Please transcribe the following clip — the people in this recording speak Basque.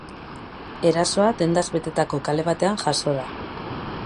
Erasoa dendaz betetako kale batean jazo da.